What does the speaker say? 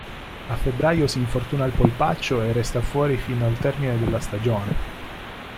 A febbraio si infortuna al polpaccio e resta fuori fino al termine della stagione.